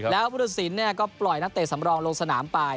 แล้วพุทธศิลป์ก็ปล่อยนักเตะสำรองลงสนามไป